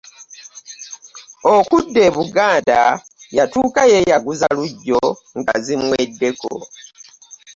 Okudda e Buganda yatuuka yeeyaguza lugyo nga zimuweddeko.